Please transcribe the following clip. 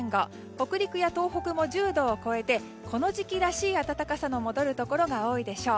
北陸や東北も１０度を超えてこの時期らしい暖かさの戻るところが多いでしょう。